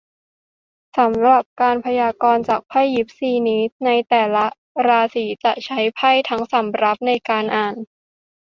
สำหรับการพยากรณ์จากไพ่ยิปซีนี้ ในแต่ละราศีจะใช้ไพ่ทั้งสำรับในการอ่าน